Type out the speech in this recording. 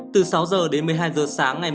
từ sáu h đến một mươi hai h sáng ngày ba chín